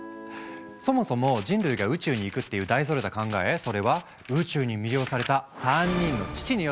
そもそも人類が宇宙に行くっていう大それた考えそれは「宇宙に魅了された３人の父」によって生まれたんです。